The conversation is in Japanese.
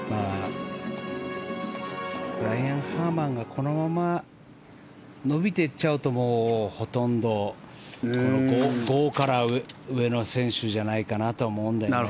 ブライアン・ハーマンがこのまま伸びていっちゃうとほとんど５から上の選手じゃないかなと思うんだよね。